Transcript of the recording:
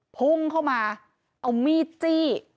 พุ่งเข้ามาเอามีดจี้